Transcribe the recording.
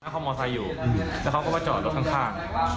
เขามอเตอร์ไซส์อยู่แล้วเขาก็ไปจอดรถข้าง